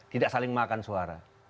tidak saling makan suara